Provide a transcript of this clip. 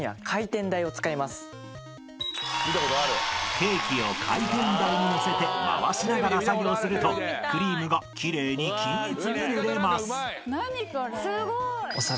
［ケーキを回転台に載せて回しながら作業するとクリームが奇麗に均一に塗れます］